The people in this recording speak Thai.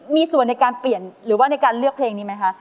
มีส่วนในการเปลี่ยนหรือว่าในการเลือกเพลงนี้ไหมคะ